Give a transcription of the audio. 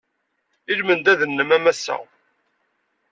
I lmendad-nnem a Massa!